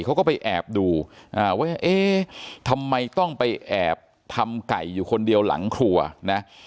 เขาก็ไปแอบดูว่าเอ๊ะทำไมต้องไปแอบทำไก่อยู่คนเดียวหลังครัวนะ